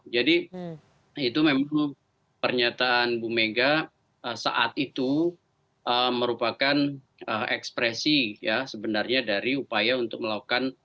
jadi itu memang pernyataan bumega saat itu merupakan ekspresi ya sebenarnya dari upaya untuk melakukan